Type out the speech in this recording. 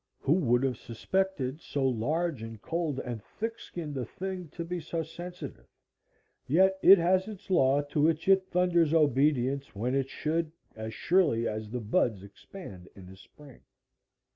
Who would have suspected so large and cold and thick skinned a thing to be so sensitive? Yet it has its law to which it thunders obedience when it should as surely as the buds expand in the spring.